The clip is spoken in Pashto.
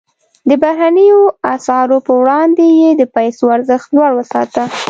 د بهرنیو اسعارو پر وړاندې یې د پیسو ارزښت لوړ وساته.